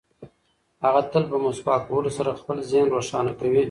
هغه تل په مسواک وهلو سره خپل ذهن روښانه کوي.